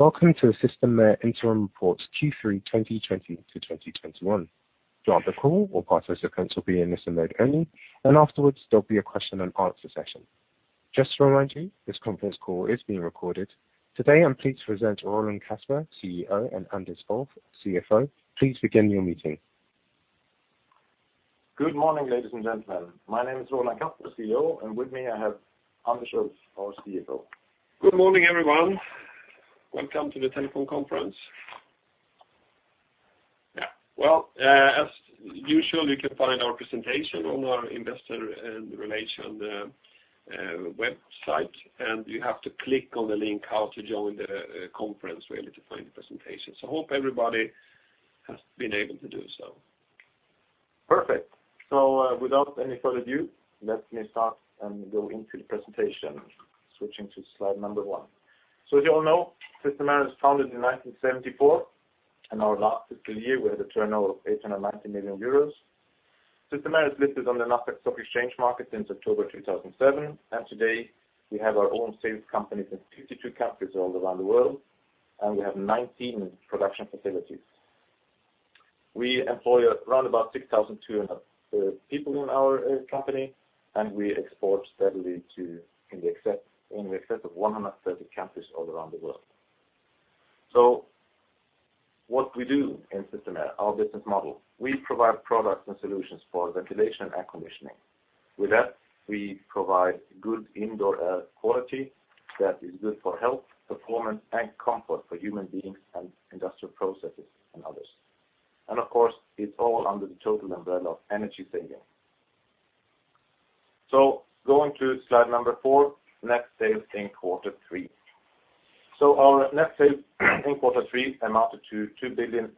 Welcome to Systemair Interim Reports Q3 2020-2021. During the call, all participants will be in listen mode only, and afterwards there'll be a question-and-answer session. Just to remind you, this conference call is being recorded. Today, I'm pleased to present Roland Kasper, CEO, and Anders Ulff, CFO. Please begin your meeting. Good morning, ladies and gentlemen. My name is Roland Kasper, CEO, and with me I have Anders Ulff, our CFO. Good morning, everyone. Welcome to the telephone conference. Yeah, well, as usual, you can find our presentation on our investor relations website, and you have to click on the link how to join the conference really to find the presentation. So I hope everybody has been able to do so. Perfect. Without any further ado, let me start and go into the presentation, switching to slide number one. As you all know, Systemair was founded in 1974, and our last fiscal year we had a turnover of 890 million euros. Systemair is listed on the NASDAQ stock exchange market since October 2007, and today we have our own sales companies in 52 countries all around the world, and we have 19 production facilities. We employ around about 6,200 people in our company, and we export steadily to an excess of 130 countries all around the world. What we do in Systemair, our business model, we provide products and solutions for ventilation and air conditioning. With that, we provide good indoor air quality that is good for health, performance, and comfort for human beings and industrial processes and others. Of course, it's all under the total umbrella of energy saving. So going to slide number four, net sales in quarter three. So our net sales in quarter three amounted to 2.04 billion,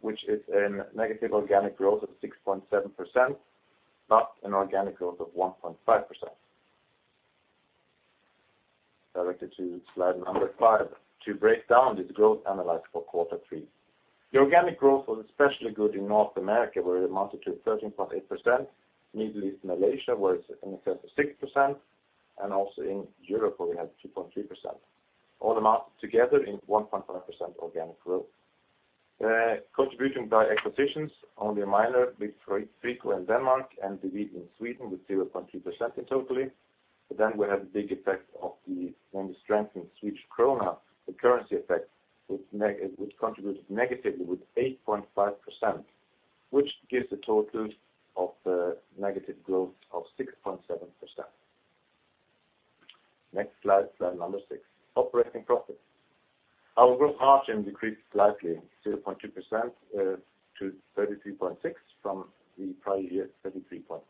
which is a negative organic growth of 6.7%, net organic growth of 1.5%. Directed to slide number five to break down this growth analysis for quarter three. The organic growth was especially good in North America, where it amounted to 13.8%, Middle East, Malaysia, where it's in excess of 6%, and also in Europe, where we had 2.3%. All amounted together in 1.5% organic growth. Contributing by acquisitions, only a minor, Frico in Denmark and Frico AB in Sweden with 0.3% in total. But then we had the big effect of the strengthened Swedish krona, the currency effect, which contributed negatively with 8.5%, which gives a total of negative growth of 6.7%. Next slide, slide number six, operating profits. Our gross margin decreased slightly, 0.2% to 33.6% from the prior year's 33.8%.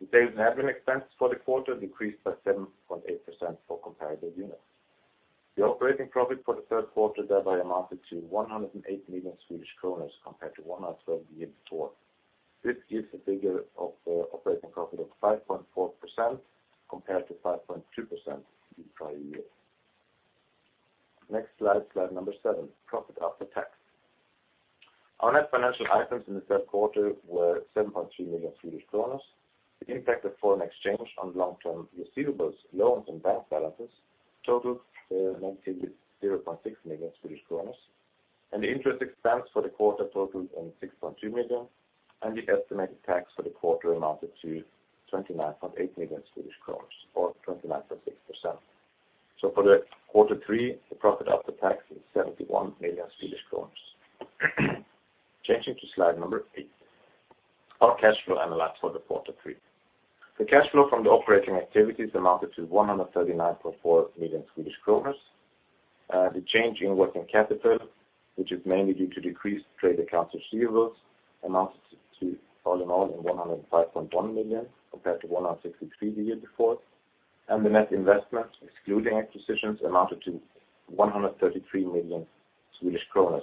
The sales and admin expense for the quarter decreased by 7.8% for comparative units. The operating profit for the third quarter thereby amounted to 108 million Swedish kronor compared to 112 million before. This gives a figure of operating profit of 5.4% compared to 5.2% the prior year. Next slide, slide number seven, profit after tax. Our net financial items in the third quarter were 7.3 million Swedish kronor. The impact of foreign exchange on long-term receivables, loans, and bank balances totaled 19.6 million Swedish kronor, and the interest expense for the quarter totaled in 6.2 million, and the estimated tax for the quarter amounted to 29.8 million Swedish kronor or 29.6%. So for the quarter three, the profit after tax is 71 million Swedish kronor. Changing to slide number eight, our cash flow analysis for the quarter three. The cash flow from the operating activities amounted to 139.4 million Swedish kronor. The change in working capital, which is mainly due to decreased trade accounts receivables, amounted to all in all 105.1 million compared to 163 million the year before, and the net investment excluding acquisitions amounted to 133 million Swedish kronor,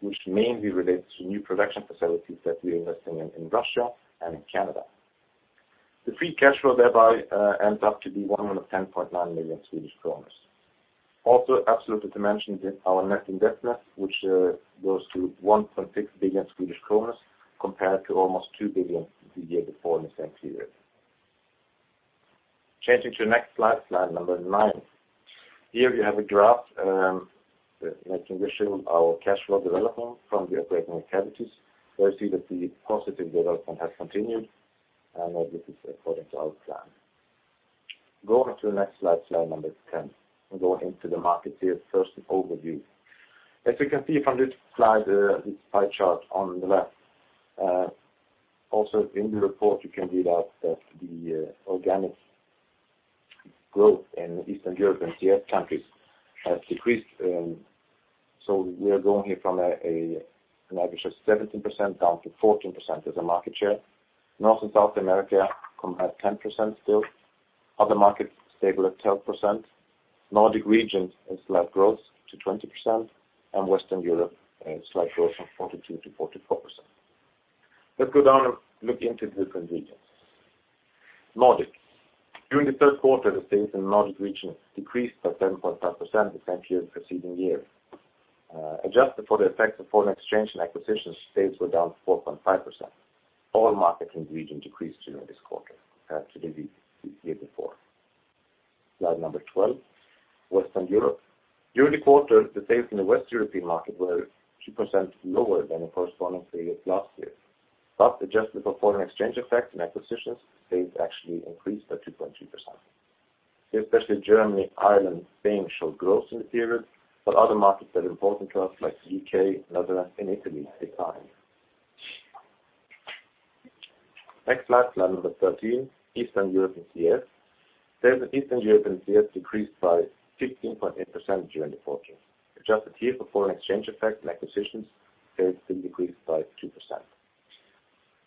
which mainly relates to new production facilities that we are investing in Russia and in Canada. The free cash flow thereby ends up to be 110.9 million Swedish kronor. Also, absolutely to mention our net indebtedness, which goes to 1.6 billion Swedish kronor compared to almost 2 billion the year before in the same period. Changing to the next slide, slide number nine. Here you have a graph making visual of our cash flow development from the operating activities. There you see that the positive development has continued, and this is according to our plan. Going to the next slide, slide number ten, and going into the markets here, first overview. As you can see from this slide, this pie chart on the left, also in the report you can read out that the organic growth in Eastern Europe and CIS countries has decreased. So we are going here from an average of 17% down to 14% as a market share. North and South America have 10% still. Other markets stable at 12%. Nordic region slight growth to 20%, and Western Europe slight growth from 42% to 44%. Let's go down and look into different regions. Nordic. During the third quarter, the sales in the Nordic region decreased by 7.5% the same year as the preceding year. Adjusted for the effects of foreign exchange and acquisitions, sales were down 4.5%. All markets in the region decreased during this quarter compared to the year before. Slide number 12, Western Europe. During the quarter, the sales in the Western European market were 2% lower than the corresponding period last year, but adjusted for foreign exchange effects and acquisitions, sales actually increased by 2.3%. Here especially Germany, Ireland, and Spain showed growth in the period, but other markets that are important to us like the UK, Netherlands, and Italy declined. Next slide, slide number 13, Eastern Europe and CIS. Sales in Eastern Europe and CIS decreased by 15.8% during the quarter. Adjusted here for foreign exchange effects and acquisitions, sales still decreased by 2%.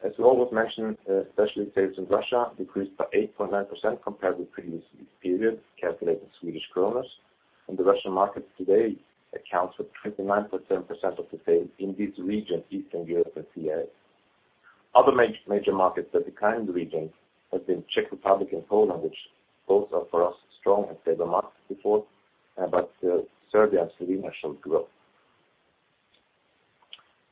As we always mention, especially sales in Russia decreased by 8.9% compared with previous periods calculated in Swedish kronor, and the Russian market today accounts for 29.7% of the sales in this region, Eastern Europe and CIS. Other major markets that decline in the region have been Czech Republic and Poland, which both are for us strong and stable markets before, but Serbia and Slovenia showed growth.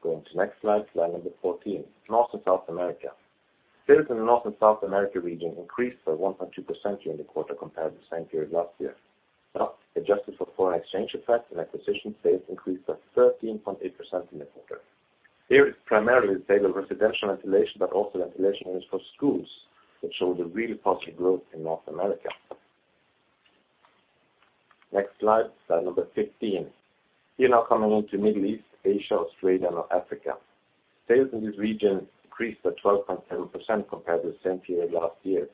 Going to the next slide, slide number 14, North and South America. Sales in the North and South America region increased by 1.2% during the quarter compared with the same period last year, but adjusted for foreign exchange effects and acquisitions, sales increased by 13.8% in the quarter. Here it's primarily stable residential ventilation, but also ventilation units for schools, which showed a really positive growth in North America. Next slide, slide number 15. Here now coming into Middle East, Asia, Australia, and Africa. Sales in this region decreased by 12.7% compared with the same period last year.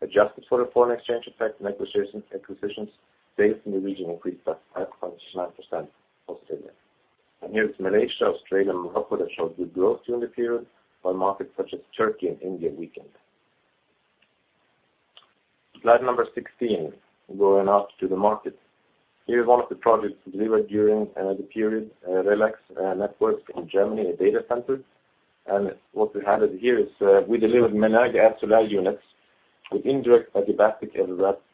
Adjusted for the foreign exchange effects, acquisitions, sales in the region increased by 5.9% positively. And here it's Malaysia, Australia, and Morocco that showed good growth during the period, while markets such as Turkey and India weakened. Slide number 16, going out to the markets. Here is one of the projects delivered during the period, RelAix Networks in Germany, a data center. And what we have here is we delivered Menerga Adsolair units with indirect adiabatic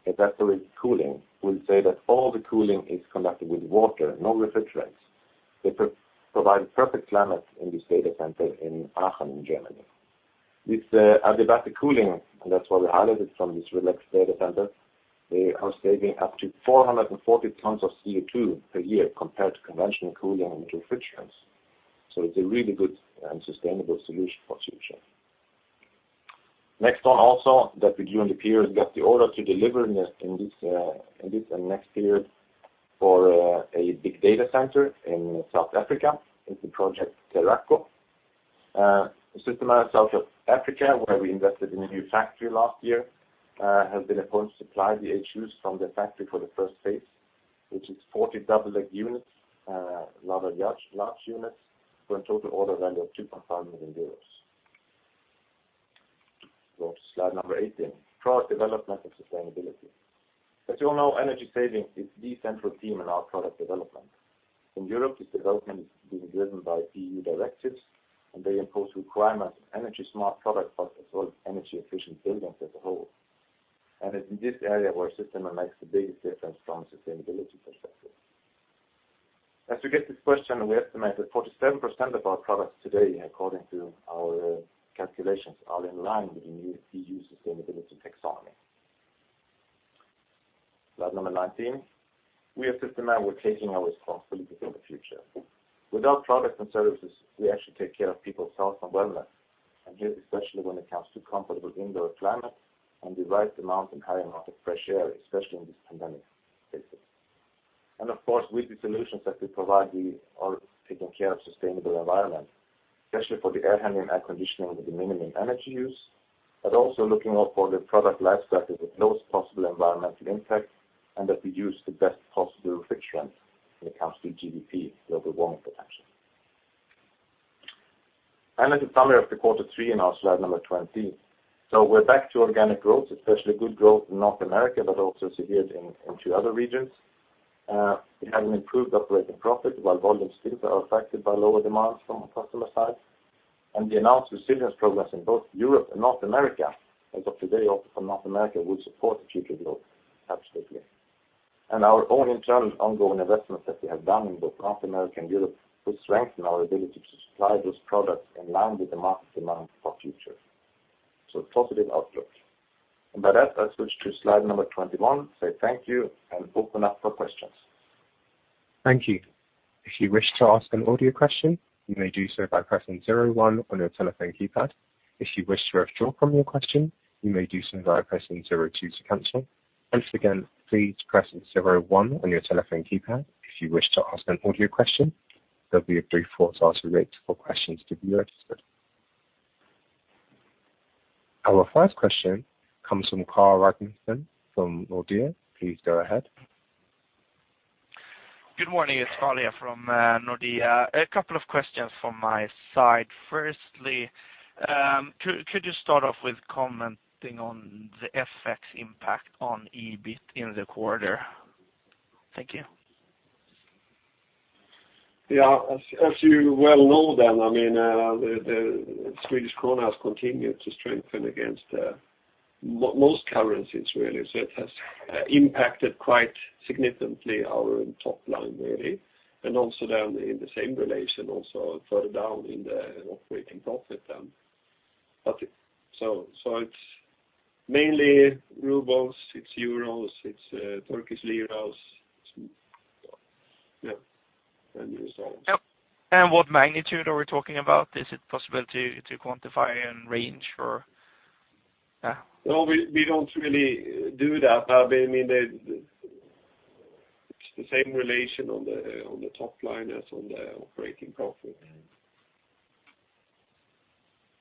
evaporative cooling. We'll say that all the cooling is conducted with water, no refrigerants. They provide perfect climates in this data center in Aachen in Germany. This adiabatic cooling, and that's why we highlighted from this RelAix data center, they are saving up to 440 tons of CO2 per year compared to conventional cooling and refrigerants. So it's a really good and sustainable solution for the future. Next, also that we during the period got the order to deliver in this and next period for a big data center in South Africa. It's the project Teraco. Systemair South Africa, where we invested in a new factory last year, has been appointed to supply the AHUs from the factory for the first phase, which is 40 double-deck units, rather large units, for a total order value of 2.5 million euros. Go to slide number 18, product development and sustainability. As you all know, energy saving is the central theme in our product development. In Europe, this development is being driven by EU directives, and they impose requirements of energy smart products, but as well as energy efficient buildings as a whole, and it's in this area where Systemair makes the biggest difference from a sustainability perspective. As we get this question, we estimate that 47% of our products today, according to our calculations, are in line with the new EU Taxonomy. Slide number 19. We at Systemair were taking our responsibilities in the future. With our products and services, we actually take care of people's health and wellness, and here especially when it comes to comfortable indoor climates and the right amount and high amount of fresh air, especially in this pandemic spaces. Of course, with the solutions that we provide, we are taking care of the sustainable environment, especially for the air handling and air conditioning with the minimum energy use, but also looking out for the product life cycle with the lowest possible environmental impact and that we use the best possible refrigerant when it comes to GWP, global warming potential. As a summary of the quarter three in our slide number 20, so we're back to organic growth, especially good growth in North America, but also solid in two other regions. We have an improved operating profit, while volumes still are affected by lower demands from our customer side. The announced resilience programs in both Europe and North America, as of today, also for North America will support the future growth, absolutely. Our own internal ongoing investments that we have done in both North America and Europe will strengthen our ability to supply those products in line with the market demand for future. Positive outlook. By that, I switch to slide number 21, say thank you, and open up for questions. Thank you. If you wish to ask an audio question, you may do so by pressing 01 on your telephone keypad. If you wish to withdraw from your question, you may do so by pressing 02 to cancel. Once again, please press 01 on your telephone keypad. If you wish to ask an audio question, there'll be a brief auditory wait for questions to be registered. Our first question comes from Carl Ragnerstam from Nordea. Please go ahead. Good morning. It's Carl here from Nordea. A couple of questions from my side. Firstly, could you start off with commenting on the effect's impact on EBIT in the quarter? Thank you. Yeah. As you well know then, I mean, the Swedish krona has continued to strengthen against most currencies, really, so it has impacted quite significantly our top line, really, and also then in the same relation, also further down in the operating profit then, but so it's mainly rubles, it's euros, it's Turkish liras, yeah, and US dollars. What magnitude are we talking about? Is it possible to quantify and range for? No, we don't really do that. I mean, it's the same relation on the top line as on the operating profit.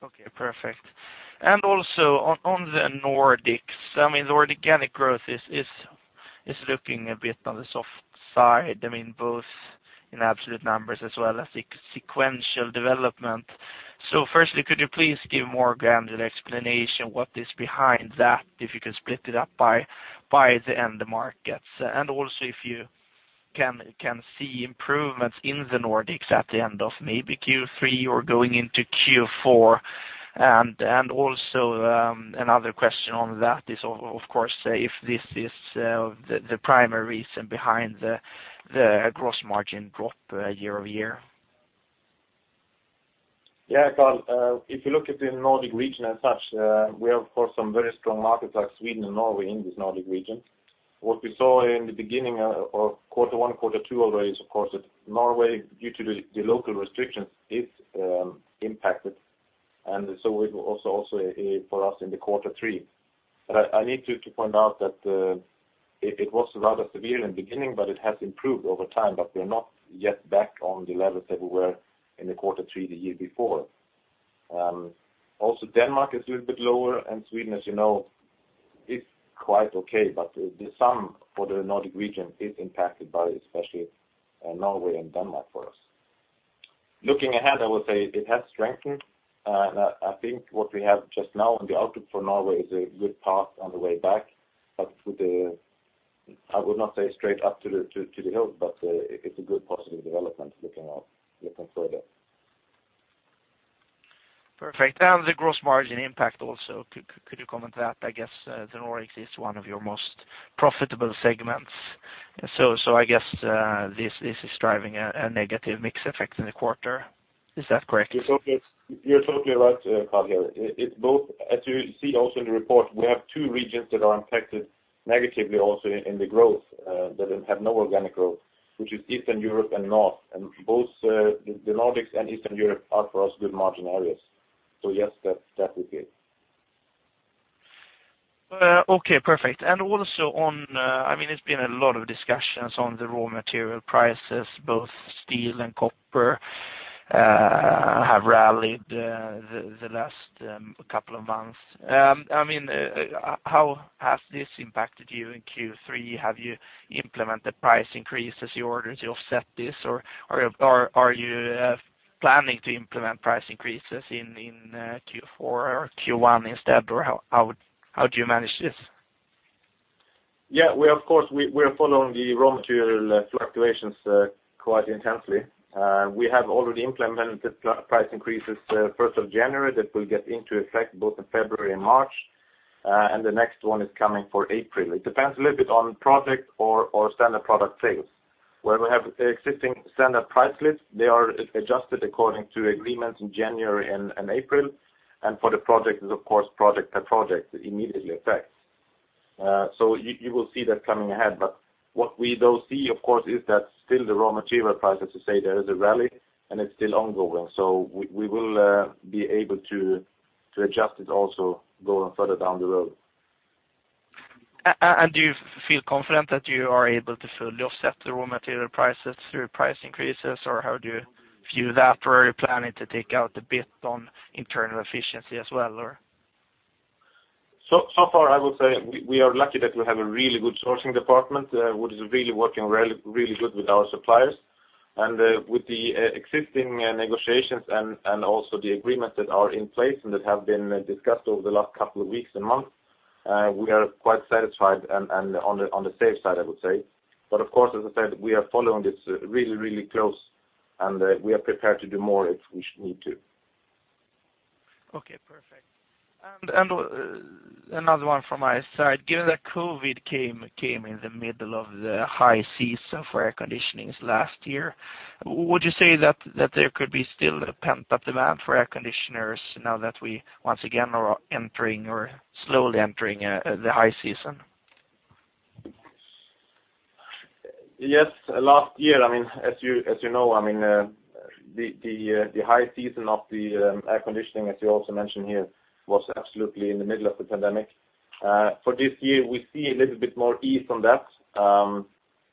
Okay. Perfect. And also on the Nordics, I mean, the organic growth is looking a bit on the soft side, I mean, both in absolute numbers as well as sequential development. So firstly, could you please give more granular explanation what is behind that, if you can split it up by end markets? And also if you can see improvements in the Nordics at the end of maybe Q3 or going into Q4. And also another question on that is, of course, if this is the primary reason behind the gross margin drop year over year. Yeah. Carl, if you look at the Nordic region as such, we have of course some very strong markets like Sweden and Norway in this Nordic region. What we saw in the beginning of quarter one, quarter two already is of course that Norway, due to the local restrictions, is impacted, and so it was also for us in the quarter three, but I need to point out that it was rather severe in the beginning, but it has improved over time, but we're not yet back on the levels that we were in the quarter three the year before. Also, Denmark is a little bit lower, and Sweden, as you know, is quite okay, but the sum for the Nordic region is impacted by especially Norway and Denmark for us. Looking ahead, I would say it has strengthened. I think what we have just now on the outlook for Norway is a good path on the way back, but I would not say straight up to the hills, but it's a good positive development looking forward. Perfect. And the gross margin impact also, could you comment on that? I guess the Nordics is one of your most profitable segments. So I guess this is driving a negative mix effect in the quarter. Is that correct? You're totally right, Carl. Here, as you see also in the report, we have two regions that are impacted negatively also in the growth that have no organic growth, which is Eastern Europe and North. And both the Nordics and Eastern Europe are for us good margin areas. So yes, that would be it. Okay. Perfect. And also on, I mean, there's been a lot of discussions on the raw material prices, both steel and copper have rallied the last couple of months. I mean, how has this impacted you in Q3? Have you implemented price increases in order to offset this, or are you planning to implement price increases in Q4 or Q1 instead, or how do you manage this? Yeah. Well, of course, we are following the raw material fluctuations quite intensely. We have already implemented price increases 1st of January that will get into effect both in February and March, and the next one is coming for April. It depends a little bit on project or standard product sales. Where we have existing standard price slips, they are adjusted according to agreements in January and April, and for the project is of course project by project immediately affects. So you will see that coming ahead, but what we don't see, of course, is that still the raw material prices, as I say, there is a rally and it's still ongoing. So we will be able to adjust it also going further down the road. Do you feel confident that you are able to fully offset the raw material prices through price increases, or how do you view that? Or are you planning to take out a bit on internal efficiency as well, or? So far, I would say we are lucky that we have a really good sourcing department, which is really working really good with our suppliers, and with the existing negotiations and also the agreements that are in place and that have been discussed over the last couple of weeks and months, we are quite satisfied and on the safe side, I would say, but of course, as I said, we are following this really, really close, and we are prepared to do more if we need to. Okay. Perfect, and another one from my side. Given that COVID came in the middle of the high seasons for air conditioning last year, would you say that there could be still a pent-up demand for air conditioners now that we once again are entering or slowly entering the high season? Yes. Last year, I mean, as you know, I mean, the high season of the air conditioning, as you also mentioned here, was absolutely in the middle of the pandemic. For this year, we see a little bit more ease on that.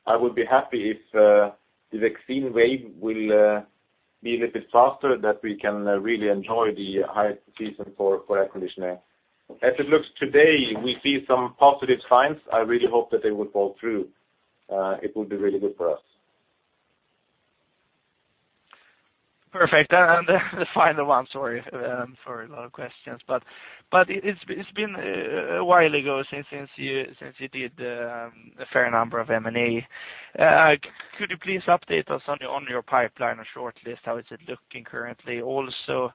I would be happy if the vaccine wave will be a little bit faster that we can really enjoy the high season for air conditioning. As it looks today, we see some positive signs. I really hope that they will fall through. It would be really good for us. Perfect. And the final one, sorry. I'm sorry, a lot of questions, but it's been a while ago since you did a fair number of M&A. Could you please update us on your pipeline or shortlist? How is it looking currently? Also,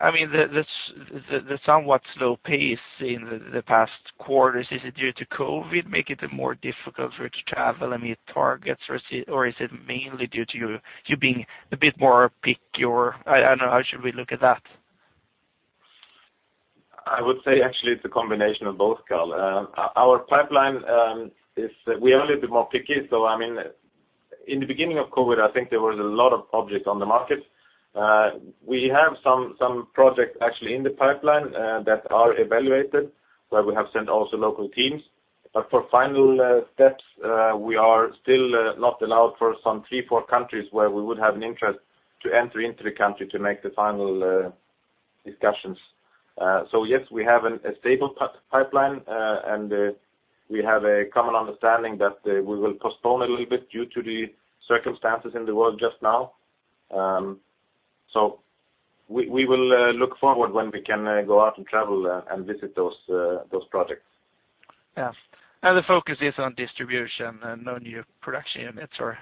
I mean, the somewhat slow pace in the past quarters, is it due to COVID making it more difficult to travel and meet targets, or is it mainly due to you being a bit more picky? I don't know. How should we look at that? I would say actually it's a combination of both, Carl. Our pipeline is we are a little bit more picky. So I mean, in the beginning of COVID, I think there was a lot of projects on the market. We have some projects actually in the pipeline that are evaluated, where we have sent also local teams. But for final steps, we are still not allowed for some three, four countries where we would have an interest to enter into the country to make the final discussions. So yes, we have a stable pipeline, and we have a common understanding that we will postpone a little bit due to the circumstances in the world just now. So we will look forward when we can go out and travel and visit those projects. Yeah. And the focus is on distribution and no new production units, or?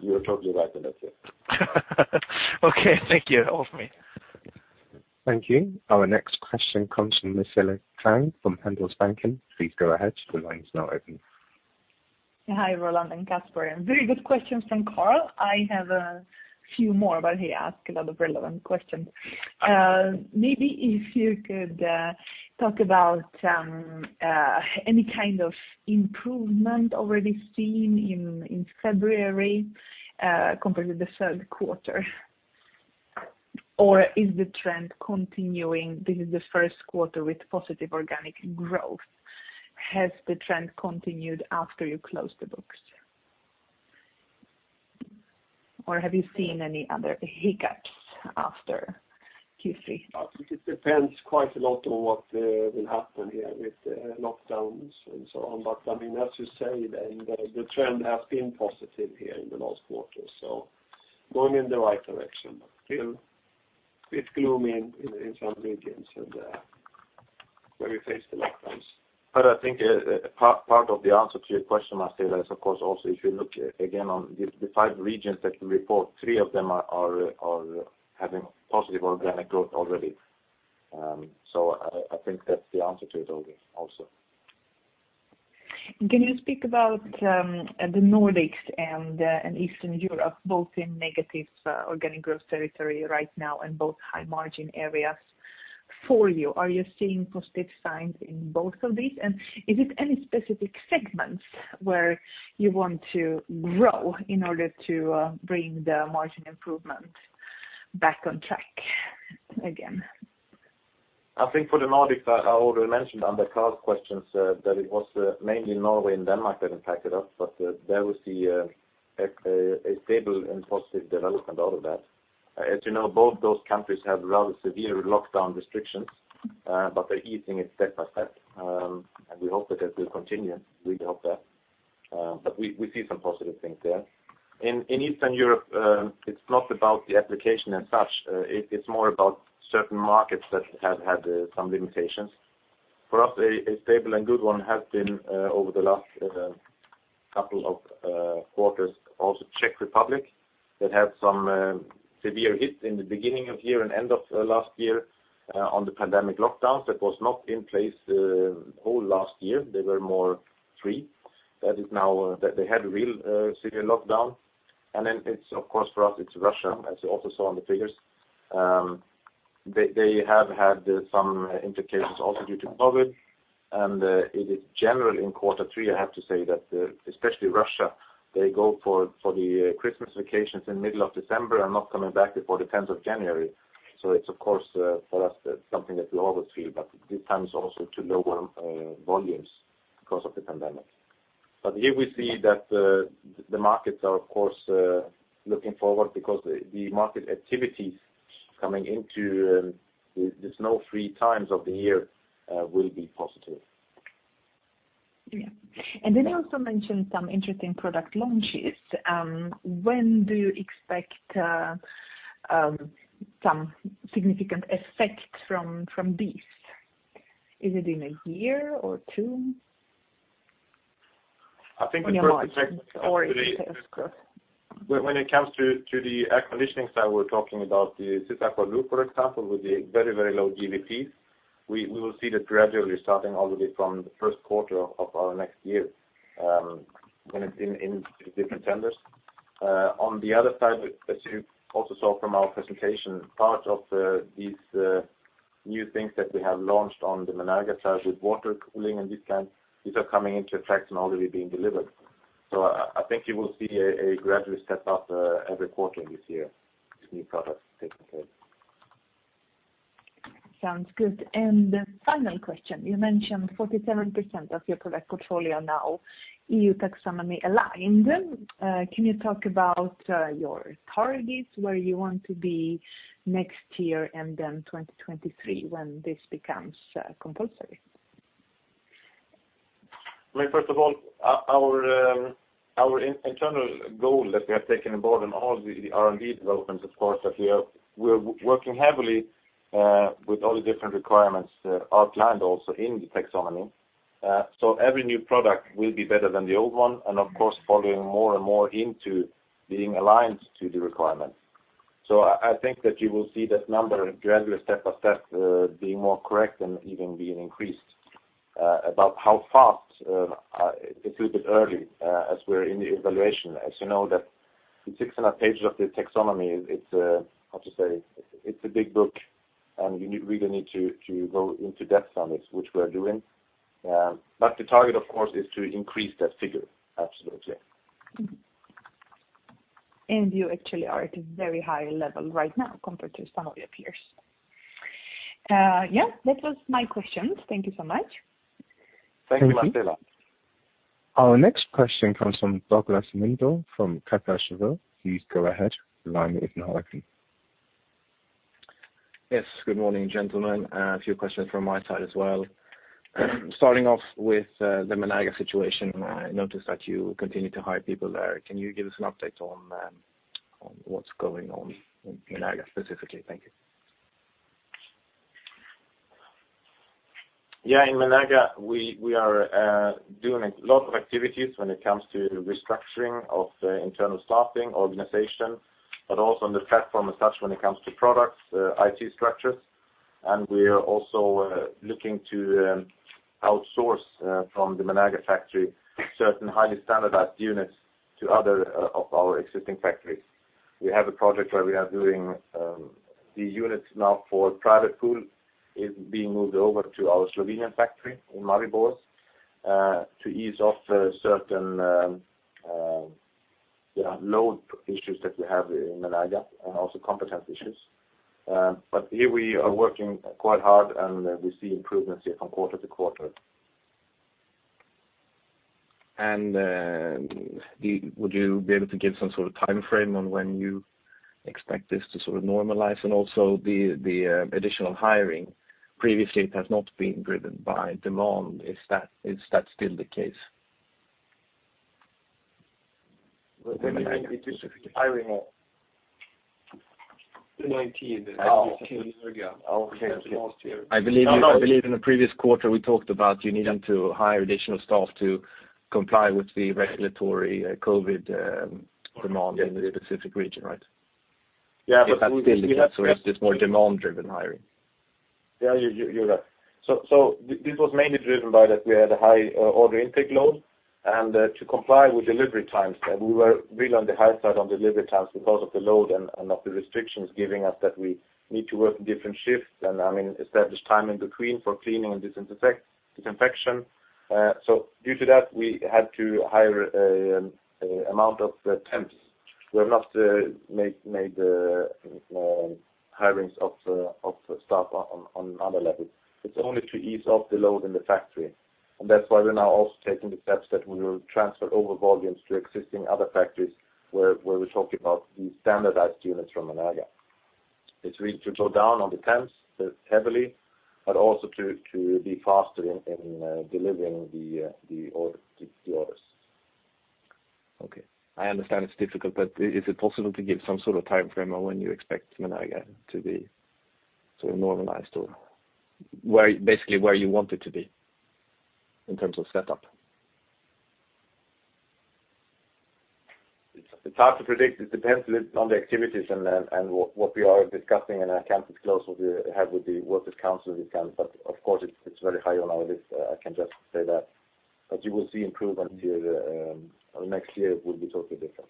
You're totally right in that, yes. Okay. Thank you. All for me. Thank you. Our next question comes from Ms. Marcela Klang from Handelsbanken. Please go ahead. The line is now open. Hi, Roland and Kasper. Very good question from Carl. I have a few more, but he asked a lot of relevant questions. Maybe if you could talk about any kind of improvement already seen in February compared to the third quarter. Or is the trend continuing? This is the first quarter with positive organic growth. Has the trend continued after you closed the books? Or have you seen any other hiccups after Q3? It depends quite a lot on what will happen here with lockdowns and so on, but I mean, as you say, then the trend has been positive here in the last quarter, so going in the right direction, but still a bit gloomy in some regions where we face the lockdowns, but I think part of the answer to your question, Marcela, is of course also if you look again on the five regions that we report, three of them are having positive organic growth already, so I think that's the answer to it also. Can you speak about the Nordics and Eastern Europe, both in negative organic growth territory right now and both high margin areas for you? Are you seeing positive signs in both of these? And is it any specific segments where you want to grow in order to bring the margin improvement back on track again? I think for the Nordics, I already mentioned under Carl's questions that it was mainly Norway and Denmark that impacted us, but there we see a stable and positive development out of that. As you know, both those countries have rather severe lockdown restrictions, but they're easing it step by step. And we hope that that will continue. We hope that. But we see some positive things there. In Eastern Europe, it's not about the application as such. It's more about certain markets that have had some limitations. For us, a stable and good one has been over the last couple of quarters, also Czech Republic, that had some severe hits in the beginning of year and end of last year on the pandemic lockdowns that was not in place the whole last year. They were more free. That is now that they had a real severe lockdown. And then it's of course for us, it's Russia, as you also saw in the figures. They have had some implications also due to COVID. And it is general in quarter three, I have to say, that especially Russia, they go for the Christmas vacations in the middle of December and not coming back before the 10th of January. So it's of course for us, that's something that we always feel, but this time is also to lower volumes because of the pandemic. But here we see that the markets are of course looking forward because the market activities coming into the snow-free times of the year will be positive. Yeah. And then you also mentioned some interesting product launches. When do you expect some significant effect from these? Is it in a year or two? I think we first expect to see the. Or is it? When it comes to the air conditioning side, we're talking about the SysAqua Blue, for example, with the very, very low GWPs. We will see that gradually starting already from the first quarter of our next year when it's in different tenders. On the other side, as you also saw from our presentation, part of these new things that we have launched on the Menerga side with water cooling and this kind, these are coming into effect and already being delivered. So I think you will see a gradual step up every quarter this year, these new products taking place. Sounds good, and the final question. You mentioned 47% of your product portfolio now, EU Taxonomy aligned. Can you talk about your targets where you want to be next year and then 2023 when this becomes compulsory? First of all, our internal goal that we have taken on board on all the R&D developments, of course, that we are working heavily with all the different requirements outlined also in the taxonomy. So every new product will be better than the old one and of course following more and more into being aligned to the requirements. So I think that you will see that number gradually step by step being more correct and even being increased. About how fast, it's a little bit early as we're in the evaluation. As you know, that the 600 pages of the taxonomy, it's hard to say. It's a big book, and you really need to go into depth on this, which we're doing. But the target, of course, is to increase that figure, absolutely. You actually are at a very high level right now compared to some of your peers. Yeah. That was my questions. Thank you so much. Thank you, Marcela. Our next question comes from Douglas Lindahl from Kepler Cheuvreux. Please go ahead. Line is now open. Yes. Good morning, gentlemen. A few questions from my side as well. Starting off with the Menerga situation, I noticed that you continue to hire people there. Can you give us an update on what's going on in Menerga specifically? Thank you. Yeah. In Menerga, we are doing a lot of activities when it comes to restructuring of internal staffing, organization, but also on the platform as such when it comes to products, IT structures. We are also looking to outsource from the Menerga factory certain highly standardized units to other of our existing factories. We have a project where we are doing the units now for private pool is being moved over to our Slovenian factory in Maribor to ease off certain load issues that we have in Menerga and also competence issues. Here we are working quite hard, and we see improvements here from quarter to quarter. And would you be able to give some sort of time frame on when you expect this to sort of normalize? And also the additional hiring, previously it has not been driven by demand. Is that still the case? We're hiring more in 2019 than we did in the last year. I believe in the previous quarter we talked about you needing to hire additional staff to comply with the regulatory COVID demand in the specific region, right? Yeah, but. Is that still the case? Or is this more demand-driven hiring? Yeah, you're right. So this was mainly driven by that we had a high order intake load. And to comply with delivery times, we were really on the high side on delivery times because of the load and of the restrictions giving us that we need to work different shifts and, I mean, establish time in between for cleaning and disinfection. So due to that, we had to hire an amount of temps. We have not made hirings of staff on other levels. It's only to ease off the load in the factory. And that's why we're now also taking the steps that we will transfer over volumes to existing other factories where we're talking about these standardized units from Menerga. It's really to go down on the temps heavily, but also to be faster in delivering the orders. Okay. I understand it's difficult, but is it possible to give some sort of time frame on when you expect Menerga to be sort of normalized or basically where you want it to be in terms of setup? It's hard to predict. It depends a bit on the activities and what we are discussing, and account is close what we have with the workers' council and this kind. But of course, it's very high on our list. I can just say that. But you will see improvements here next year. It will be totally different.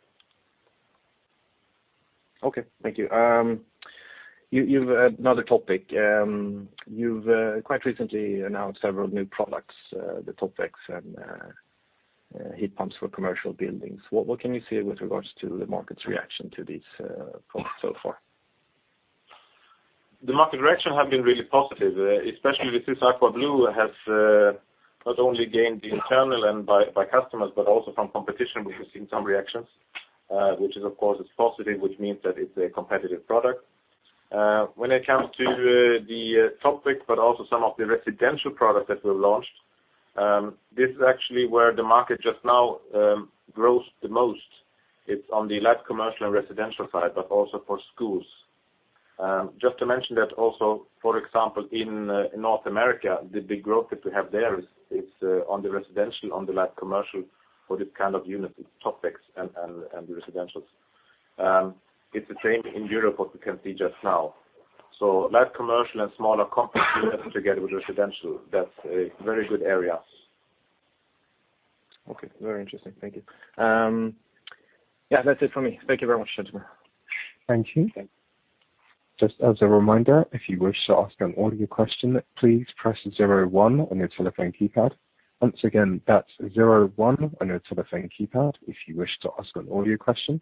Okay. Thank you. You've had another topic. You've quite recently announced several new products, the Topvex and heat pumps for commercial buildings. What can you say with regards to the market's reaction to these so far? The market reaction has been really positive, especially the SysAqua Blue has not only gained internal and by customers, but also from competition, which has seen some reactions, which is of course positive, which means that it's a competitive product. When it comes to the Topvex, but also some of the residential products that we've launched, this is actually where the market just now grows the most. It's on the light commercial and residential side, but also for schools. Just to mention that also, for example, in North America, the big growth that we have there is on the residential, on the light commercial for this kind of units, Topvex and the residentials. It's the same in Europe what we can see just now. So light commercial and smaller complex units together with residential, that's a very good area. Okay. Very interesting. Thank you. Yeah, that's it for me. Thank you very much, gentlemen. Thank you. Thank you. Just as a reminder, if you wish to ask an audio question, please press 01 on your telephone keypad. Once again, that's 01 on your telephone keypad if you wish to ask an audio question.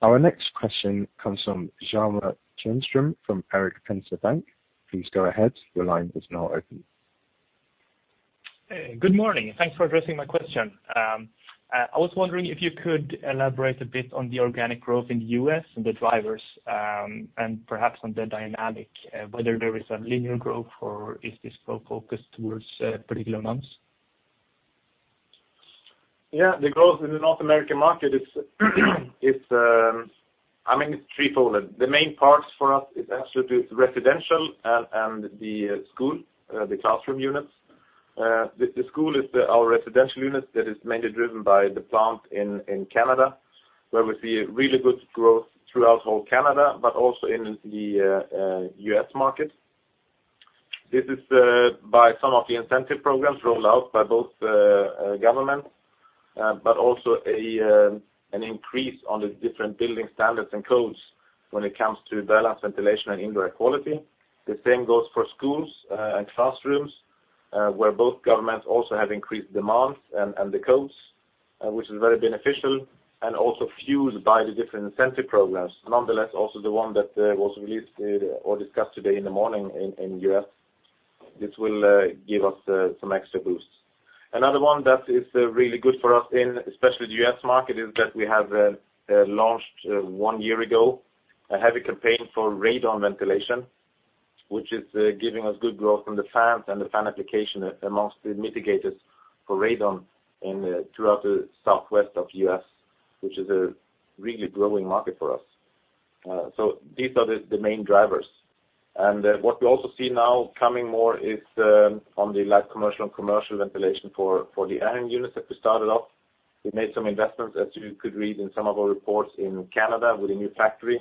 Our next question comes from Johan Dahl from Erik Penser Bank. Please go ahead. Your line is now open. Good morning. Thanks for addressing my question. I was wondering if you could elaborate a bit on the organic growth in the U.S. and the drivers and perhaps on the dynamic, whether there is a linear growth or is this focused towards particular ones? Yeah. The growth in the North American market is, I mean, it's threefold. The main part for us is absolutely residential and the school, the classroom units. The school is our residential unit that is mainly driven by the plant in Canada, where we see really good growth throughout all Canada, but also in the U.S. market. This is by some of the incentive programs rolled out by both governments, but also an increase on the different building standards and codes when it comes to balanced ventilation and indoor air quality. The same goes for schools and classrooms, where both governments also have increased demands and the codes, which is very beneficial and also fueled by the different incentive programs. Nonetheless, also the one that was released or discussed today in the morning in the U.S., this will give us some extra boost. Another one that is really good for us in especially the U.S. market is that we have launched one year ago a heavy campaign for radon ventilation, which is giving us good growth in the fans and the fan application amongst the mitigators for radon throughout the southwest of the U.S., which is a really growing market for us. So these are the main drivers. And what we also see now coming more is on the light commercial and commercial ventilation for the air units that we started off. We made some investments, as you could read in some of our reports, in Canada with a new factory.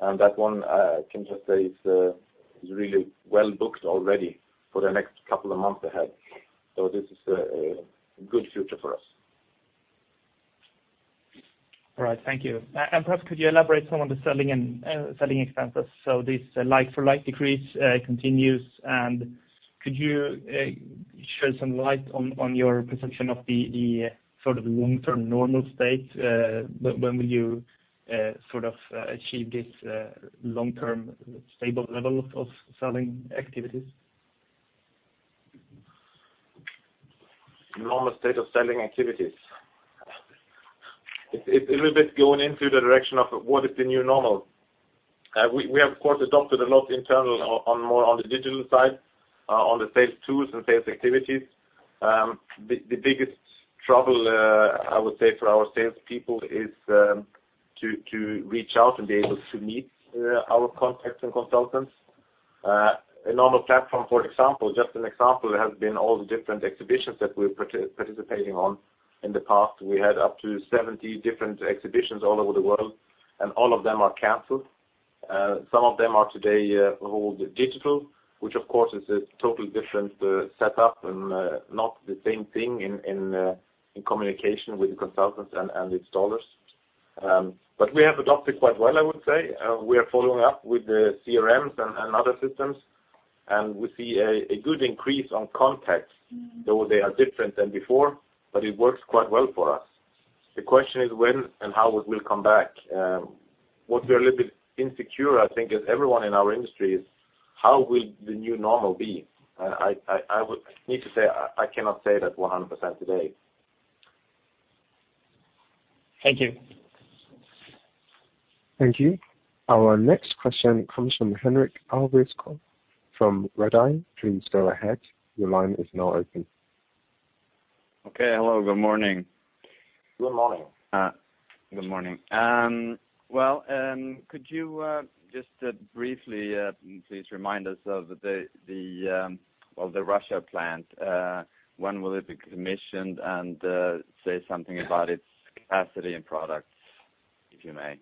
And that one, I can just say, is really well booked already for the next couple of months ahead. So this is a good future for us. All right. Thank you. And perhaps could you elaborate some on the selling expenses? So this like-for-like decrease continues. And could you shed some light on your perception of the sort of long-term normal state? When will you sort of achieve this long-term stable level of selling activities? Normal state of selling activities. It's a little bit going into the direction of what is the new normal. We have, of course, adopted a lot internal more on the digital side, on the sales tools and sales activities. The biggest trouble, I would say, for our salespeople is to reach out and be able to meet our contacts and consultants. A normal platform, for example, just an example, has been all the different exhibitions that we're participating on in the past. We had up to 70 different exhibitions all over the world, and all of them are canceled. Some of them are today held digital, which, of course, is a totally different setup and not the same thing in communication with the consultants and installers. But we have adopted quite well, I would say. We are following up with the CRMs and other systems, and we see a good increase on contacts, though they are different than before, but it works quite well for us. The question is when and how it will come back. What we're a little bit insecure, I think, as everyone in our industry is, how will the new normal be? I need to say I cannot say that 100% today. Thank you. Thank you. Our next question comes from Henrik Alveskog from Redeye. Please go ahead. Your line is now open. Okay. Hello. Good morning. Good morning. Good morning. Could you just briefly please remind us of the Russia plant? When will it be commissioned and say something about its capacity and products, if you may?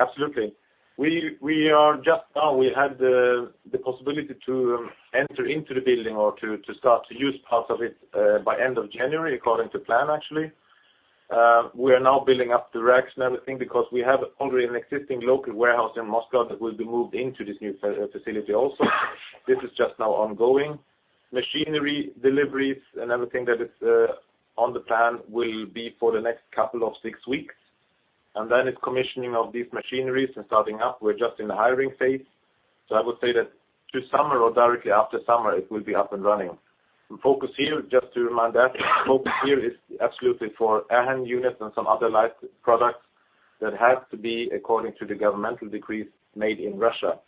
Absolutely. We are just now, we had the possibility to enter into the building or to start to use parts of it by end of January, according to plan, actually. We are now building up the racks and everything because we have already an existing local warehouse in Moscow that will be moved into this new facility also. This is just now ongoing. Machinery deliveries and everything that is on the plan will be for the next couple of six weeks, and then it's commissioning of these machineries and starting up. We're just in the hiring phase, so I would say that to summer or directly after summer, it will be up and running. The focus here, just to remind that, the focus here is absolutely for air units and some other light products that have to be according to the governmental decrees made in Russia,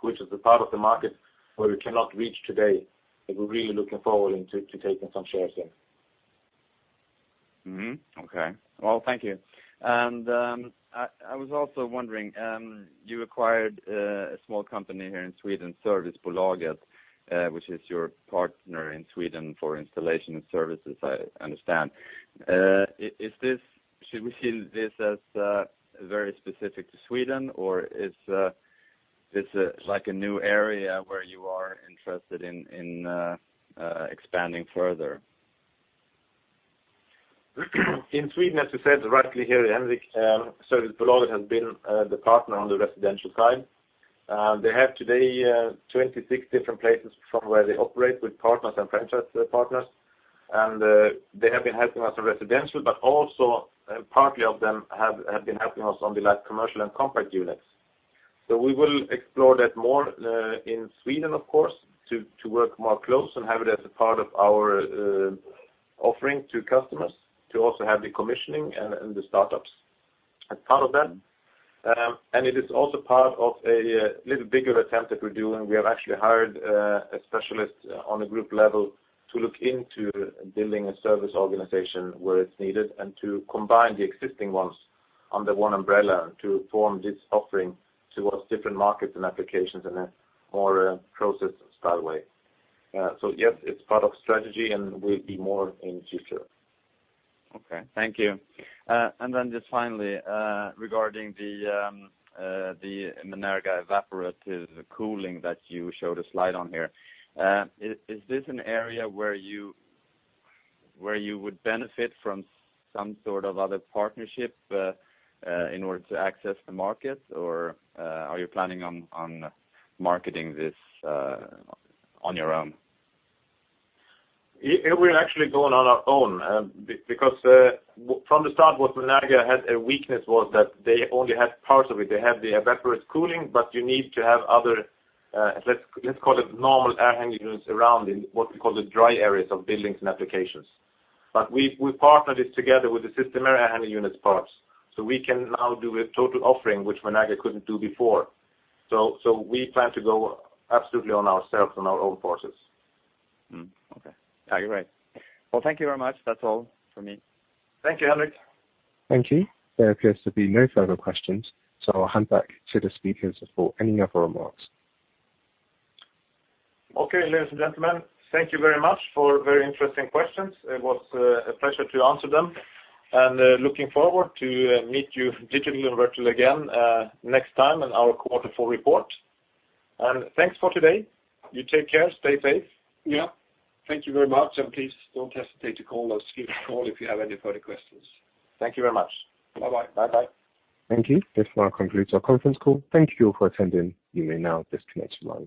which is the part of the market where we cannot reach today. But we're really looking forward to taking some shares in. Okay. Well, thank you. And I was also wondering, you acquired a small company here in Sweden, Servicebolaget, which is your partner in Sweden for installation and services, I understand. Should we see this as very specific to Sweden, or is this like a new area where you are interested in expanding further? In Sweden, as you said rightly here, Henrik, Servicebolaget has been the partner on the residential side. They have today 26 different places from where they operate with partners and franchise partners. And they have been helping us on residential, but also partly of them have been helping us on the light commercial and compact units. So we will explore that more in Sweden, of course, to work more close and have it as a part of our offering to customers to also have the commissioning and the startups as part of that. And it is also part of a little bigger attempt that we're doing. We have actually hired a specialist on a group level to look into building a service organization where it's needed and to combine the existing ones under one umbrella and to form this offering towards different markets and applications in a more process-style way. So yes, it's part of strategy and will be more in the future. Okay. Thank you. And then just finally, regarding the Menerga evaporative cooling that you showed a slide on here, is this an area where you would benefit from some sort of other partnership in order to access the market, or are you planning on marketing this on your own? We're actually going on our own because from the start, what Menerga had a weakness was that they only had parts of it. They had the evaporative cooling, but you need to have other, let's call it normal air handling units around in what we call the dry areas of buildings and applications. But we partnered this together with the Systemair air handling units parts. So we can now do a total offering, which Menerga couldn't do before. So we plan to go absolutely on ourselves, on our own forces. Okay. Yeah, you're right. Well, thank you very much. That's all for me. Thank you, Henrik. Thank you. There appears to be no further questions, so I'll hand back to the speakers for any other remarks. Okay, ladies and gentlemen, thank you very much for very interesting questions. It was a pleasure to answer them. And looking forward to meeting you digitally and virtually again next time in our quarter four report. And thanks for today. You take care. Stay safe. Yeah. Thank you very much. And please don't hesitate to call us, give us a call if you have any further questions. Thank you very much. Bye-bye. Bye-bye. Thank you. This now concludes our conference call. Thank you all for attending. You may now disconnect from the.